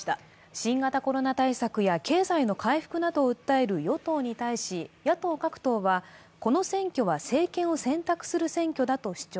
新型コロナ対策や経済の回復などを訴える与党に対し、野党各党は、この選挙は政党を選択する選挙だと主張。